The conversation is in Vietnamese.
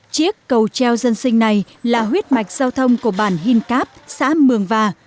chiếc cầu treo dân sinh này là huyết mạch giao thông của bản hinkap xã mường và